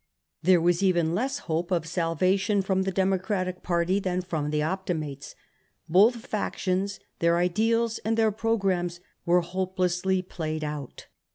There was even less hope of salvation from the Democratic party than from the Optimates ; both factions, their ideals and their programmes, were hopelessly played out.